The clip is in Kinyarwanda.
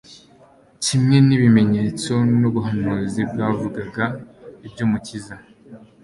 kimwe n'ibimenyetso n'ubuhanuzi bwavugaga iby'Umukiza.